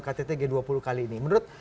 kttg dua puluh kali ini menurut